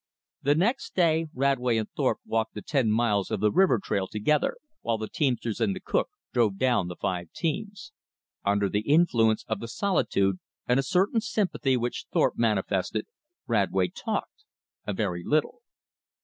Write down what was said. The next day Radway and Thorpe walked the ten miles of the river trail together, while the teamsters and the cook drove down the five teams. Under the influence of the solitude and a certain sympathy which Thorpe manifested, Radway talked a very little.